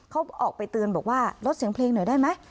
เขาออกไปเตือนบอกว่าลดเสียงเพลงหน่อยได้ไหม